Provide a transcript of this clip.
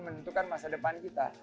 menentukan masa depan kita